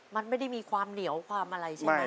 มันไม่ได้มีความเหนียวความอะไรใช่ไหม